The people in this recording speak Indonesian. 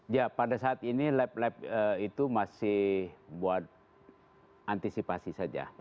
ya pada saat ini lab lab itu masih buat antisipasi saja